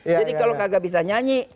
jadi kalau tidak bisa nyanyi